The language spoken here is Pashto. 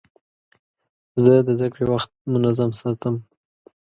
زه د زدهکړې وخت منظم ساتم.